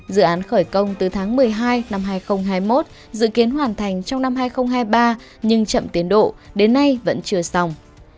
dự án khởi công từ tháng một mươi hai năm hai nghìn hai mươi một dự kiến hoàn thành trong năm hai nghìn hai mươi ba nhưng chậm tiến độ đến nay vẫn chưa xong